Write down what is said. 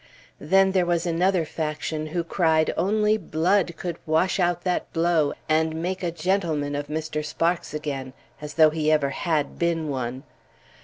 Then there was another faction who cried only blood could wash out that blow and make a gentleman of Mr. Sparks again, as though he ever had been one!